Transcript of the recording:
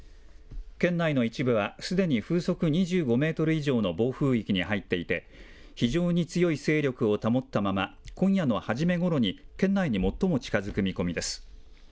県内の一部はすでに風速２５メートル以上の暴風域に入っていて、非常に強い勢力を保ったまま、今夜の初め頃に、県内に最も近づく見込みです。